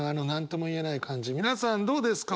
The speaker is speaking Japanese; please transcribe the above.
皆さんどうですか？